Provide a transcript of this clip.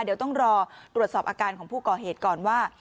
เดี๋ยวต้องรอตรวจสอบอาการของผู้ก่อเหตุก่อนว่า